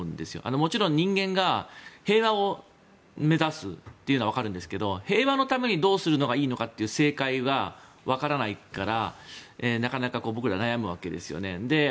もちろん人間が平和を目指すというのはわかるんですが平和のためにどうするのがいいのかという正解はわからないからなかなか僕ら悩むわけですよね。